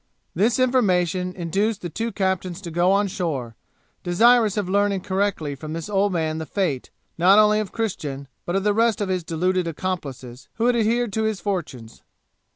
This information induced the two captains to go on shore, desirous of learning correctly from this old man the fate, not only of Christian, but of the rest of his deluded accomplices, who had adhered to his fortunes.